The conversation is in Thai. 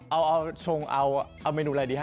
เอาเมนูอะไรดีฮะ